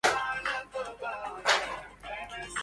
همت الفلك واحتواها الماء